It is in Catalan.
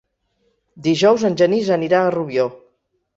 Dijous en Genís anirà a Rubió.